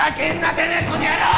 てめえこの野郎！